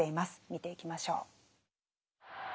見ていきましょう。